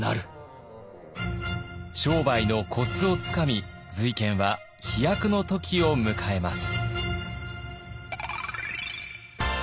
商売のコツをつかみ瑞賢は飛躍の時を迎えます。